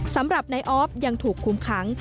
สำหรับนายออฟยังถูกคุมขัง